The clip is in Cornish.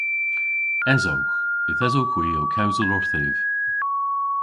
Esowgh. Yth esowgh hwi ow kewsel orthiv.